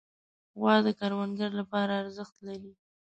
غوا د کروندګرو لپاره ارزښت لري.